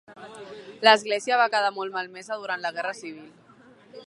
L'església va quedar molt malmesa durant la Guerra Civil.